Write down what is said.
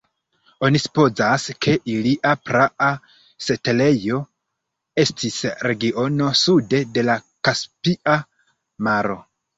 Oni supozas ke ilia praa setlejo estis regiono sude de la Kaspia Maro.